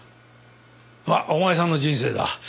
まあお前さんの人生だ。